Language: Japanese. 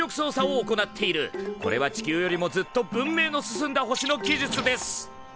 これは地球よりもずっと文明の進んだ星の技術です。